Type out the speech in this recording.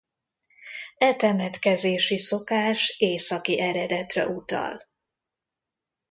E temetkezési szokás északi eredetre utal.